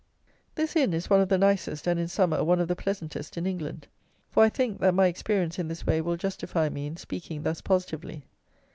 This inn is one of the nicest, and, in summer, one of the pleasantest, in England; for, I think, that my experience in this way will justify me in speaking thus positively.